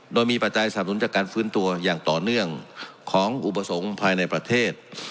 โดยมีปัจจัยสนับหนุนจากการฟื้นตัวอย่างต่อเนื่องของอุปสรรคภายในประเทศ